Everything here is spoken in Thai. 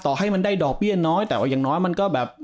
ให้มันได้ดอกเบี้ยน้อยแต่ว่าอย่างน้อยมันก็แบบ